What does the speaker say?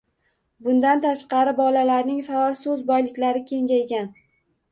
Bundan tashqari bolalarning faol so‘z boyliklari kengaygan.